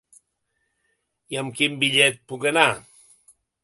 I amb quin bitllet puc anar?